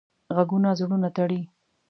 غږونه زړونه تړي